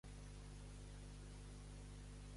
Com és descrit Cècrops?